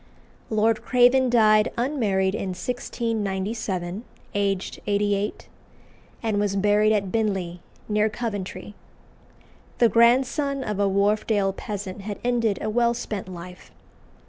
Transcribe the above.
Lord Craven died unmarried in 1697, aged 88, and was buried at Binley, near Coventry. The grandson of a Wharfdale peasant had ended a well spent life.